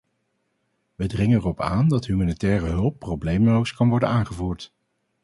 Wij dringen erop aan dat humanitaire hulp probleemloos kan worden aangevoerd.